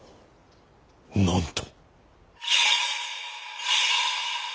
なんと。